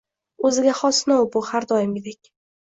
O‘ziga xos sinov bu. Har doimgidek.